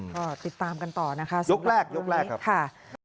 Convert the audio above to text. ก็ติดตามกันต่อนะคะสำหรับวันนี้